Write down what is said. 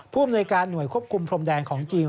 ผู้อำนวยการหน่วยควบคุมพรมแดนของจีน